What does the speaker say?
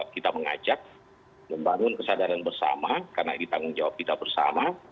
kita mengajak membangun kesadaran bersama karena ini tanggung jawab kita bersama